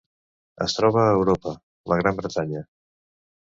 Es troba a Europa: la Gran Bretanya.